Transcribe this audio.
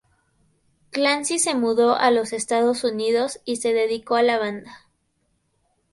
Clancy se mudó a los Estados Unidos y se dedicó a la banda.